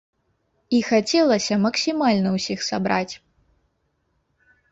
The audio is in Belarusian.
І хацелася максімальна ўсіх сабраць.